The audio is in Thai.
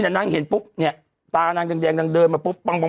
ตายแดงตายเรียบร้อย